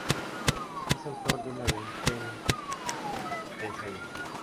Es autor de una veintena de ensayos.